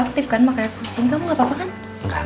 aktif kan makanya sing kamu gak apa apa kan